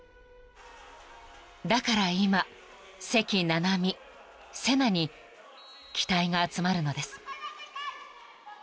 ［だから今関菜々巳セナに期待が集まるのです］